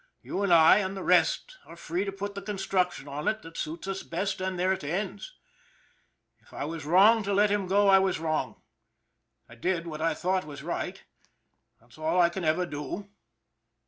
You and I and the rest are free to put the construction on it that suits us best, and there it ends. If I was wrong to let him go, I was wrong. I did what I thought was right that's all I can ever do."